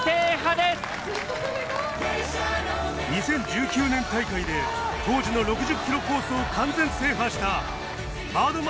２０１９年大会で当時の６０ｋｍコースを完全制覇した６０ｋｍ。